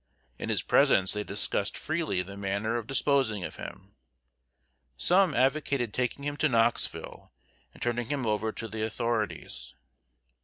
In his presence they discussed freely the manner of disposing of him. Some advocated taking him to Knoxville, and turning him over to the authorities.